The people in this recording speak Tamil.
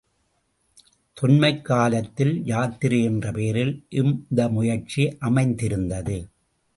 தொன்மைக் காலத்தில் யாத்திரை என்ற பெயரில் இந்த முயற்சி அமைந்திருந்தது.